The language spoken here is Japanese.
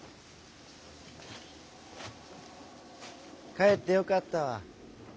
かえってよかったわ。